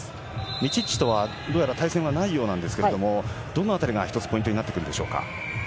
ミチッチとは対戦がないようなんですけど、どのあたりがポイントなってくるでしょうか。